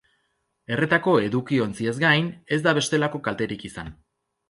Erretako edukiontziez gain, ez da bestelako kalterik izan.